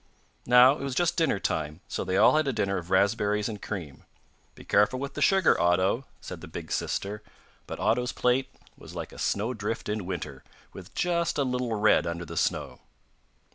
Now it was just dinner time, so they all had a dinner of raspberries and cream. 'Be careful with the sugar, Otto,' said the big sister; but Otto's plate was like a snowdrift in winter, with just a little red under the snow.